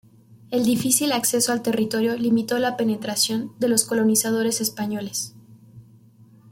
El difícil acceso al territorio limitó la penetración de los colonizadores españoles.